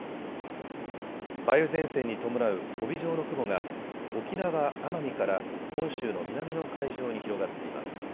梅雨前線に伴う帯状の雲が沖縄、奄美から本州の南の海上に広がっています。